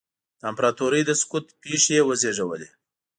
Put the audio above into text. د امپراتورۍ د سقوط پېښې یې وزېږولې.